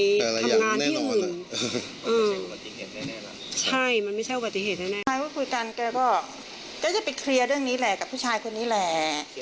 ทำงานที่อื่นใช่มันไม่ใช่อุบัติเหตุแน่ใช่ว่าคุยกันแกก็จะไปเคลียร์เรื่องนี้แหละกับผู้ชายคนนี้แหละ